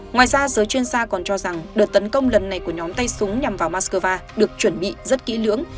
ngoài ra giới chuyên gia còn cho rằng đợt tấn công lần này của nhóm tay súng nhằm vào moscow được chuẩn bị rất kỹ lưỡng